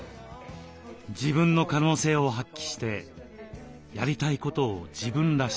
自分の可能性を発揮してやりたいことを自分らしく。